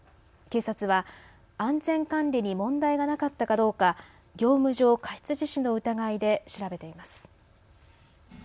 警察は安全管理に問題がなかったかどうか業務上過失致死の疑いで調べています。